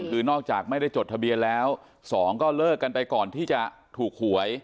คือนอกจากไม่ได้จดทะเบียนแล้ว๒ก็เลิกกันไปก่อนที่จะถูกหวย